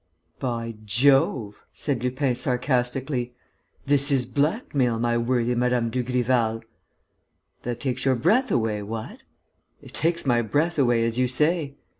"By Jove!" said Lupin, sarcastically. "This is blackmail, my worthy Mme. Dugrival." "That takes your breath away, what?" "It takes my breath away, as you say."